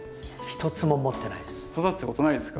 一つも持ってないです。